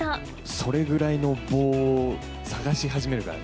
それぐらいの棒を探し始めるからね。